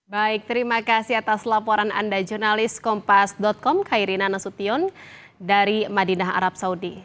baik terima kasih atas laporan anda jurnalis kompas com kairina nasution dari madinah arab saudi